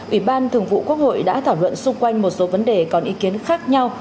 ủy ban thường vụ quốc hội đã thảo luận xung quanh một số vấn đề còn ý kiến khác nhau